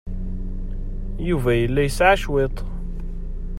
Yuba yella yesɛa cwiṭ.